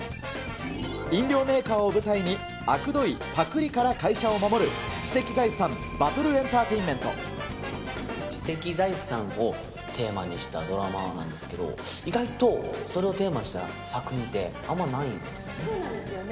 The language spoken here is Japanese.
飲料メーカーを舞台に、あくどいパクリから会社を守る知的財産バトルエンターテインメン知的財産をテーマにしたドラマなんですけれども、意外とそれをテーマにした作品って、そうなんですよね。